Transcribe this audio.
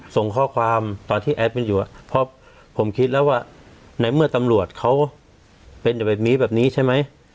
ส่งข้อความตอนที่แอดเป็นอยู่เพราะผมคิดแล้วว่าในเมื่อตำรวจเขาเป็นอยู่แบบนี้แบบนี้ใช่ไหม